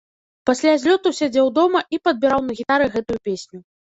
Пасля злёту сядзеў дома і падбіраў на гітары гэтую песню.